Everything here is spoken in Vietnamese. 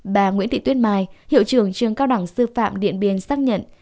bà nguyễn thị tuyết mai hiệu trưởng trường cao đẳng sư phạm điện biên xác nhận